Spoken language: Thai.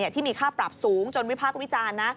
ที่มีค่าปรับสูงจนวิพากษ์วิจารณ์นะ